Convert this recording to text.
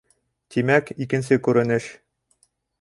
Тимәк, икенсе күренеш.